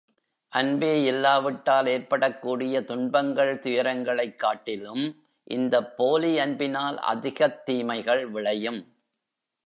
அன்பே இல்லாவிட்டால் ஏற்படக்கூடிய துன்பங்கள் துயரங்களைக் காட்டிலும், இந்தப் போலி அன்பினால் அதிகத் தீமைகள் விளையும்.